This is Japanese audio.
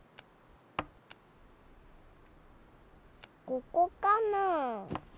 ここかな？